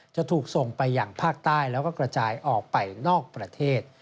จะถูกส่งไปอย่างภาคใต้แล้วก็กระจายออกไปนอกประเทศ